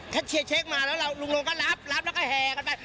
เชียร์เช็คมาแล้วลุงลงก็รับรับแล้วก็แห่กันไป